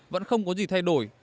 vẫn không có gì thay đổi